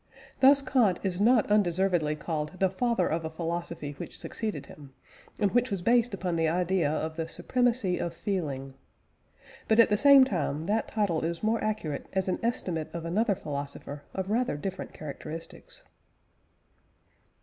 Thus Kant is not undeservedly called the father of a philosophy which succeeded him, and which was based upon the idea of the supremacy of feeling. But, at the same time, that title is more accurate as an estimate of another philosopher of rather different characteristics.